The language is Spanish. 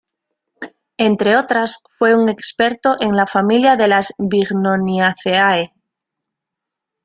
Entre otras, fue un experto en la familia de las Bignoniaceae.